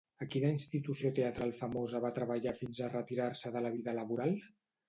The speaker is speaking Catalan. A quina institució teatral famosa va treballar fins a retirar-se de la vida laboral?